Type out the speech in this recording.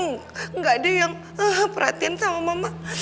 gak ada yang perhatian sama mama